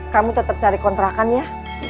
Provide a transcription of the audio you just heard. kamu tetap cari kontrakan ya